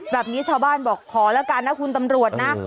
แบบนี้ชาวบ้านบอกขอแล้วกันนะคุณตำรวจนะ